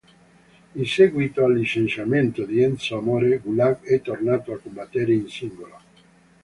In seguito al licenziamento di Enzo Amore, Gulak è tornato a combattere in singolo.